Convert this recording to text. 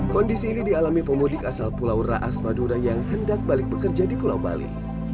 kondisi ini dialami pemudik asal pulau raas madura yang hendak balik bekerja di pulau bali